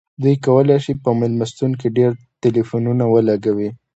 دوی کولی شي په میلمستون کې ډیر ټیلیفونونه ولګوي